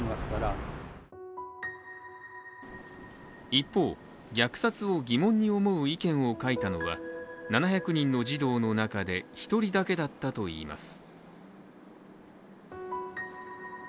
一方、虐殺を疑問に思う意見を書いたのは、７００人の児童の中で１人だけだったといいます。